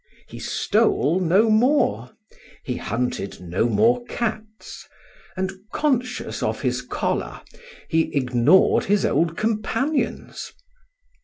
He stole no more, he hunted no more cats; and conscious of his collar he ignored his old companions.